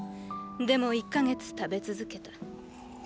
でも一か月食べ続けた。